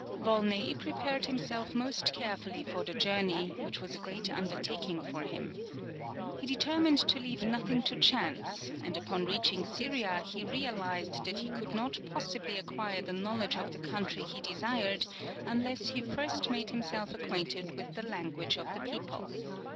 Volney prepared himself most carefully for the journey, which was a great undertaking for him. He determined to leave nothing to chance, and upon reaching Syria he realized that he could not possibly acquire the knowledge of the country he desired unless he first made himself acquainted with the language of the people.